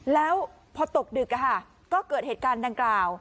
แล้วพอตกดึกก็เกิดเหตุการณ์ดังกล่าว